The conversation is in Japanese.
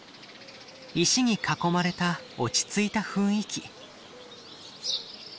石に囲まれた落ち着いた雰囲気。